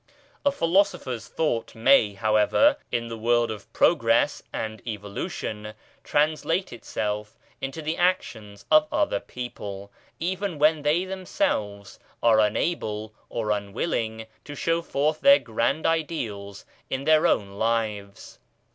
A Philosopher's thought may, however, in the world of progress and evolution, translate itself into the actions of other people, even when they themselves are unable or unwilling to show forth their grand ideals in their own lives.